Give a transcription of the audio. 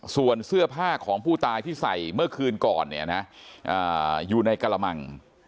ส่วนเสื้อผ้าของผู้ตายที่ใส่เมื่อคืนก่อนเนี่ยนะอยู่ในกระมัง